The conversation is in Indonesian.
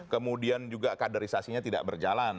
kemudian juga kaderisasinya tidak berjalan